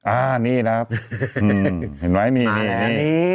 อ่านี่นะครับเห็นไหมนี่นี่นี่